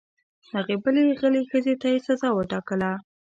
هغې بلې غلې ښځې ته یې سزا وټاکله.